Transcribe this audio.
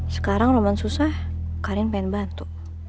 sekarang roman susah karin pengen bantu